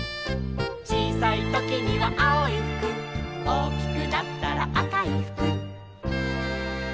「ちいさいときにはあおいふく」「おおきくなったらあかいふく」